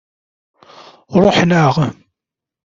Ṛuḥen-aɣ.